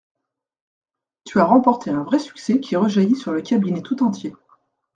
Tu as remporté un vrai succès qui rejaillit sur le cabinet tout entier.